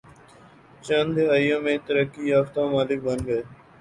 چند دہائیوں میں ترقی یافتہ ممالک بن گئے